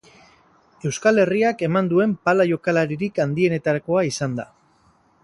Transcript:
Euskal Herriak eman duen pala-jokalaririk handienetakoa izan da.